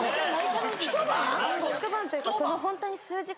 一晩というかホントに。